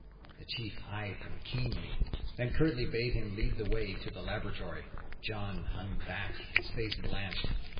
The chief eyed him keenly, then curtly bade him lead the way to the laboratory. John hung back, his face blanched.